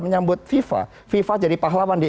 menyambut viva viva jadi pahlawan di